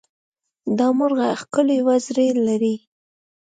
دا مرغه ښکلې وزرې لري.